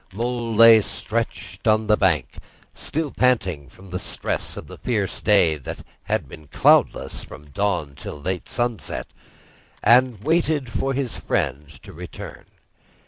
Mole lay stretched on the bank, still panting from the stress of the fierce day that had been cloudless from dawn to late sunset, and waited for his friend to return.